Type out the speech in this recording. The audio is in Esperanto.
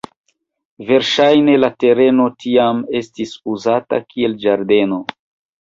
Verŝajne la tereno tiam estis uzata kiel ĝardeno.